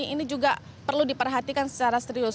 ini juga perlu diperhatikan secara serius